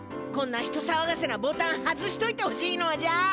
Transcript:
こんな人さわがせなボタン外しといてほしいのじゃ！